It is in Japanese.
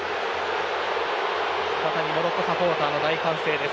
再びモロッコサポーターの大歓声です。